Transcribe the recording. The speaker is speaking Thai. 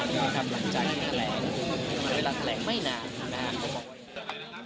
ดูสว่างนี้หลังใจแถลงเวลาแถลงไม่นานนะ